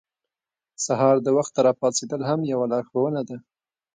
سهار د وخته راپاڅېدل هم یوه لارښوونه ده.